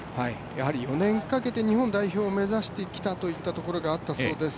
４年かけて日本代表を目指してきたというところがあったそうです。